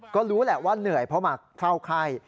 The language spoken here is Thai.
ก็รู้แหละว่าเหนื่อยเพราะมาเฝ้าไข้